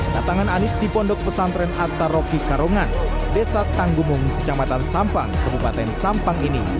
datangan anies di pondok pesantren atta roki karongan desa tanggumung kecamatan sampang kebupaten sampang ini